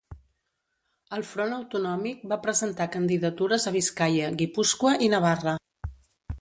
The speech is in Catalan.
El Front Autonòmic va presentar candidatures a Biscaia, Guipúscoa i Navarra.